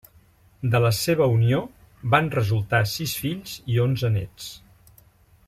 De la seva unió van resultar sis fills i onze néts.